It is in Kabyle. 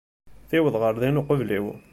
Tuweḍ ɣer din uqbel-iw.